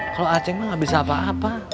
kalau aceh mah gak bisa apa apa